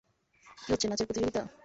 কি হচ্ছে, নাচের প্রতিযোগিতা?